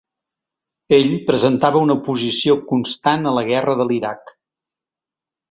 Ell presentava una oposició constant a la guerra de l'Iraq.